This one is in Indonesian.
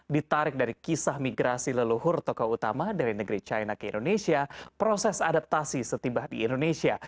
ditarik dari kisah migrasi leluhur tokoh utama dari negeri china ke indonesia proses adaptasi setibah di indonesia